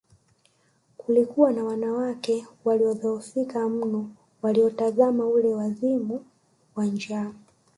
Kulikuwa na wanawake waliodhoofiwa mno waliotazama ule wazimu wa njaa